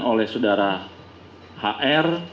oleh saudara hr